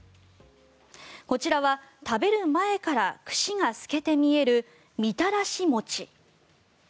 こちらは食べる前から串が透けて見えるみたらし餅。